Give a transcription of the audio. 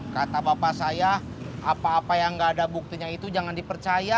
kata bapak saya apa apa yang gak ada buktinya itu jangan dipercaya